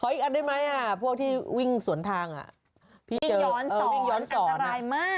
อีกอันได้ไหมพวกที่วิ่งสวนทางวิ่งย้อนสอนอันตรายมาก